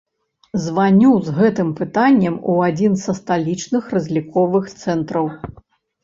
Званю з гэтым пытаннем у адзін са сталічных разліковых цэнтраў.